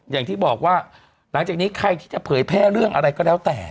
อย่างที่บอกว่าหลังจากนี้ใครที่จะเผยแพร่เรื่องอะไรก็แล้วแต่